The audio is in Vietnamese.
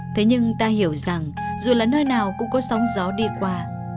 thế nhưng ta hiểu rằng dù là nơi nào cũng có sóng gió đi qua